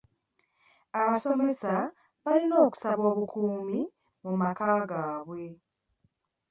Abasomesa balina okusaba obukuumi mu maka gaabwe.